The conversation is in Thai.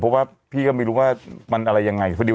เพราะว่าพี่ก็ไม่รู้ว่ามันอะไรยังไง